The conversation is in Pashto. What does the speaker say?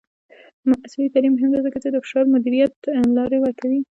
عصري تعلیم مهم دی ځکه چې د فشار مدیریت لارې ورکوي.